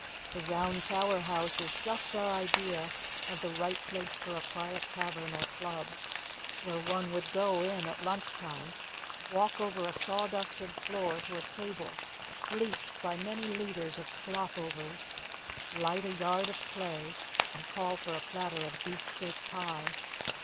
That round tower house is just our idea of the right place for a quiet tavern or club, where one would go in at lunch time, walk over a sawdusted floor to a table bleached by many litres of slopovers, light a yard of clay, and call for a platter of beefsteak pie.